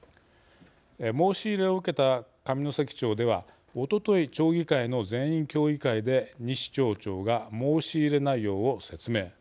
申し入れを受けた上関町ではおととい、町議会の全員協議会で西町長が申し入れ内容を説明。